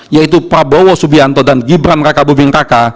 yaitu prabowo subianto dan gibran raka buming kakak